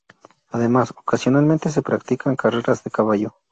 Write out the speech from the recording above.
Además, ocasionalmente se practican carreras de caballo.